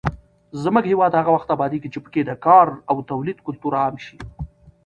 زموږ هېواد هغه وخت ابادېږي چې پکې د کار او تولید کلتور عام شي.